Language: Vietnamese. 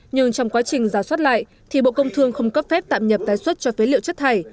nhưng trong quá trình giả soát lại thì bộ công thương không cấp phép tạm nhập tái xuất cho phế liệu chất thải